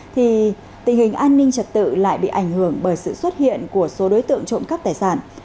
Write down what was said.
thì tình hình an ninh trật tự lại bị ảnh hưởng bởi sự xuất hiện của số đối tượng trộm cắp tài sản